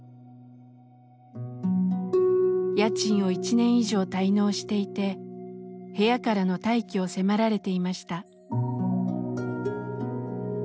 家賃を１年以上滞納していて部屋からの退去を迫られていました。